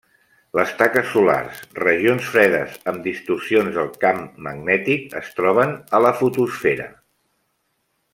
Les taques solars, regions fredes amb distorsions del camp magnètic, es troben a la fotosfera.